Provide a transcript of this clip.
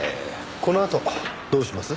このあとどうします？